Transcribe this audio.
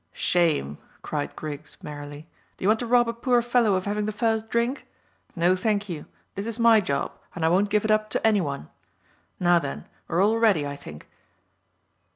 "Shame!" cried Griggs merrily. "Do you want to rob a poor fellow of having the first drink? No, thank you; this is my job, and I won't give it up to any one. Now then, we're all ready, I think."